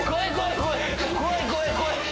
怖い怖い怖い。